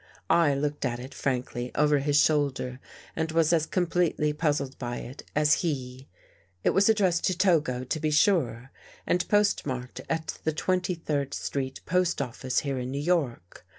I looked at it frankly over his shoulder and was as completely puzzled by it as he. It was addressed to Togo, to be sure, and postmarked at the Twenty third Street post office here in New York.